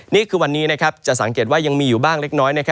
นี่คือวันนี้นะครับจะสังเกตว่ายังมีอยู่บ้างเล็กน้อยนะครับ